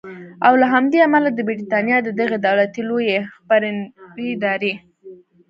او له همدې امله د بریټانیا د دغې دولتي لویې خپرندویې ادارې